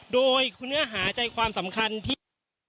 โดยคุณเนื้อหาใจความสำคัญที่